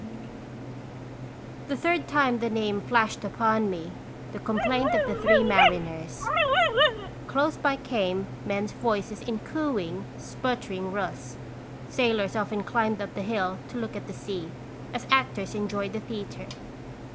The third time, the name flashed upon me, 2t rations Visitation. 155 the Complaint of the Three Mariners. Close by came men's voices in cooing, sputtering Russ. Sailors often climbed up the hill to look at the sea, as actors enjoy the theatre.